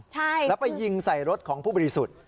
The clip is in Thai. ใช่แล้วไปยิงใส่รถของผู้บริสุทธิ์